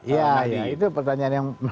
ya itu pertanyaan yang